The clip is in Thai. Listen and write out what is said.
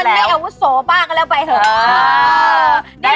เพราะมันไม่อาวุธโสบ้างก็แล้วไปเถอะนะครับเออ